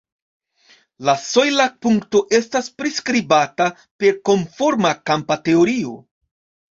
La sojla punkto estas priskribata per konforma kampa teorio.